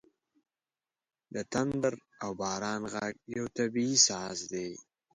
• د تندر او باران ږغ یو طبیعي ساز دی.